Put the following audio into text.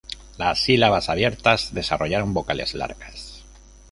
Las sílabas abiertas desarrollaron vocales largas.